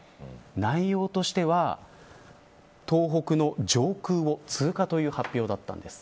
内容としては東北の上空を通過という発表だったんです。